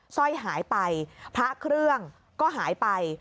สร้อยหายไปพระเครื่องก็หายไป